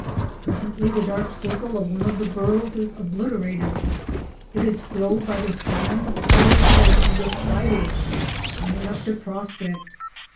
Presently the dark circle of one of the burrows is obliterated—it is filled by the sand coloured head of the spider, coming up to prospect.